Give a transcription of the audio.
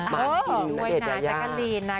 มากยินณเดชน์ยายา